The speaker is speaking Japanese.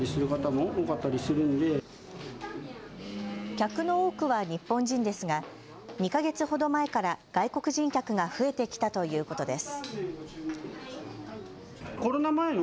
客の多くは日本人ですが２か月ほど前から外国人客が増えてきたということです。